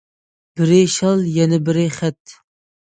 بىرى شال، يەنە بىرى« خەت».